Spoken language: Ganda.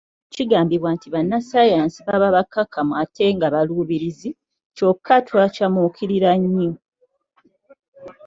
Kigambibwa nti bannassaayansi baba bakkakkamu ate nga baluubirizi, kyokka twacamuukirira nnyo.